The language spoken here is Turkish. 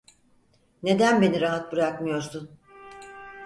Neden beni rahat bırakmıyorsun?